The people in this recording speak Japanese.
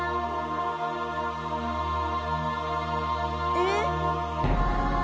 えっ！？